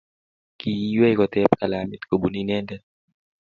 Kiiywei kotep kalamit kobun inendet.